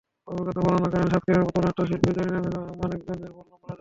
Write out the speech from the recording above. অভিজ্ঞতা বর্ণনা করেন সাতক্ষীরার পুতুলনাট্য শিল্পী জরিনা বেগম এবং মানিকগঞ্জের বলরাম রাজবংশী।